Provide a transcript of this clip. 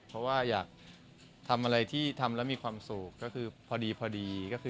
เพราะการทำอะไรมีความสุขก็คือพอดี